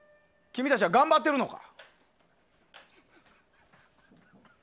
君たちは頑張っているのか。